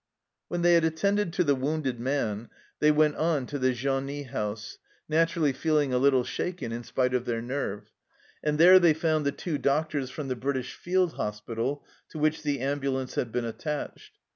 When they had attended to the wounded man, they went on to the genie house, naturally feel ing a little shaken, in spite of their nerve, and there they found the two doctors from the British Field Hospital to which the ambulance had been attached.